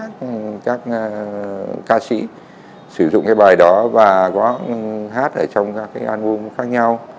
một số các ca sĩ sử dụng cái bài đó và có hát ở trong các album khác nhau